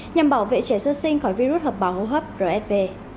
nhằm bảo vệ trẻ sơ sinh khỏi virus hợp bào hô hấp rsp